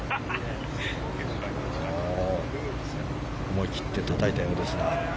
思い切ってたたいたようですが。